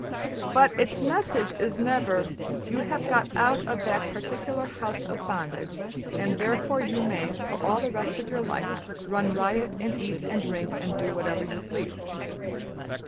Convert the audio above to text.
But its message is never: ``You have got out of that particular house of bondage and therefore you may, for all the rest of your life, run riot, and eat, and drink, and do, whatever you please.''